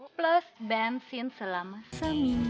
plus bensin selama seminggu